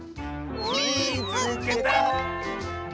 「みいつけた！」。